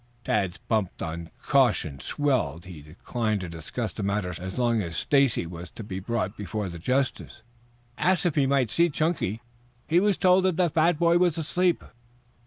Tad's bump of caution swelled. He declined to discuss the matter so long as Stacy was to be brought before the justice. He asked if he might see Chunky, and was told that the fat boy was asleep.